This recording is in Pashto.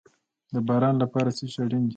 د باران لپاره څه شی اړین دي؟